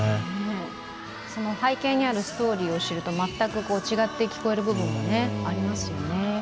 背景にあるストーリーを知ると全く違って聞こえる部分もありますね。